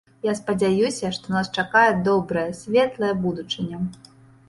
Я спадзяюся, што нас чакае добрая, светлая будучыня.